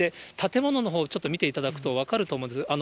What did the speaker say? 建物のほうちょっと見ていただくと分かると思うんです。